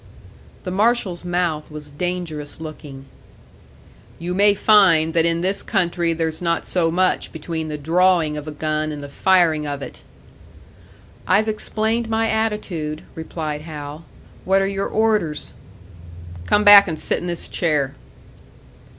The marshal's mouth was dangerous looking. "You may find that in this country there's not so much between the drawing of a gun and the firing of it!" "I've explained my attitude," replied Hal. "What are your orders?" "Come back and sit in this chair."